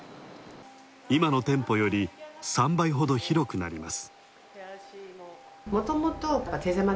今の店舗より３倍ほど広くなります。